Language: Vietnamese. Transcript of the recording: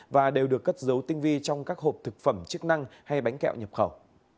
và đều được cất dấu tinh vi trong các hộp thực phẩm chức năng hay bánh kẹo nhập khẩu